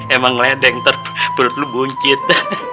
emang ngeledek ntar perut lu buncit